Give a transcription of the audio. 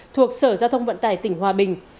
thuộc sở giao thông vận tải tỉnh hòa bình